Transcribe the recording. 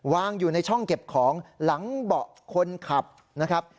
วางอยู่ในช่องเก็บของหลังเบาะคนขับนะครับ